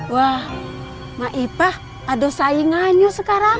wah maipah ada saingannya sekarang